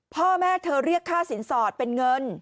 พ่อแม่เธอเรียกค่าสินสอดเป็นเงิน